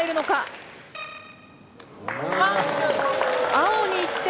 青に１点。